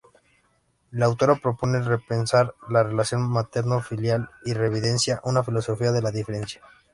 La autora propone repensar la relación materno-filial y reivindica una filosofía de la diferencia.